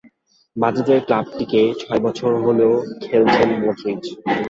মাদ্রিদের ক্লাবটিতে ছয় বছর হলো খেলছেন মদরিচ।